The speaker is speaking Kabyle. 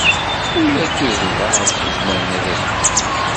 Ur akk igḍaḍ zemren ad afgen.